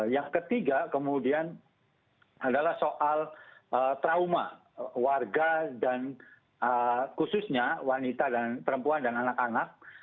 yang ketiga kemudian adalah soal trauma warga dan khususnya wanita dan perempuan dan anak anak